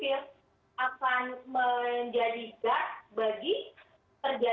mengundang partisipasi publik yang luas